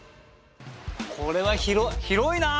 これは広い。